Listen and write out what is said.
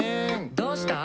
「どうした？」